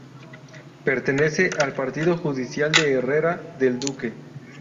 Pertenece al Partido judicial de Herrera del Duque.